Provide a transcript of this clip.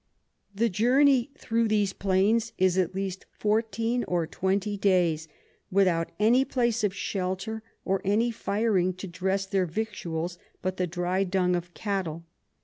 The Journy thro these Plains is at least 14 or 20 days, without any place of shelter, or any Firing to dress their Victuals but the dry'd Dung of Cattle.